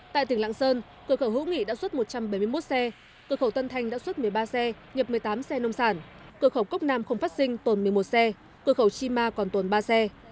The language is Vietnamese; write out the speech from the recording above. tại tỉnh lạng sơn cửa khẩu hữu nghị đã xuất một trăm bảy mươi một xe cửa khẩu tân thanh đã xuất một mươi ba xe nhập một mươi tám xe nông sản cửa khẩu cốc nam không phát sinh tồn một mươi một xe cửa khẩu chi ma còn tồn ba xe